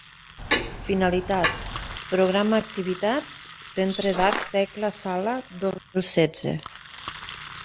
Finalitat: programa activitats Centre d'Art Tecla Sala dos mil setze.